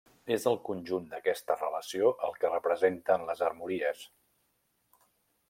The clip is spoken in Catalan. És el conjunt d'aquesta relació el que representen les armories.